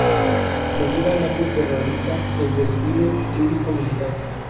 Seguidamente se realiza el desfile cívico militar.